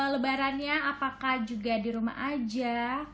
lebarannya apakah juga di rumah aja